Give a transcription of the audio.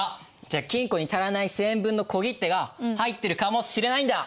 じゃあ金庫に足らない１，０００円分の小切手が入ってるかもしれないんだ！